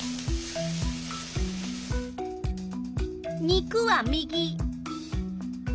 肉は右。